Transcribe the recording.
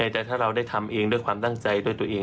แต่ถ้าเราได้ทำเองด้วยความตั้งใจด้วยตัวเอง